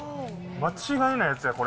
間違いないやつや、これ。